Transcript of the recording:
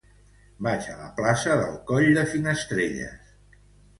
Vaig a la plaça del Coll de Finestrelles.